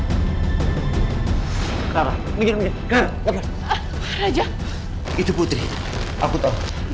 itu putri aku tau